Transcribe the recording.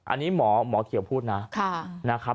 อันนี้หมอเขียวพูดนะ